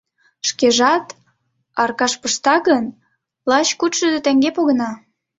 Шкежат, Аркаш, пышта гын, лач кудшӱдӧ теҥге погына.